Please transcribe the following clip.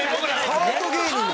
カート芸人なの？